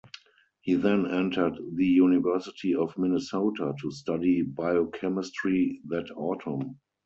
He then entered the University of Minnesota to study biochemistry that autumn.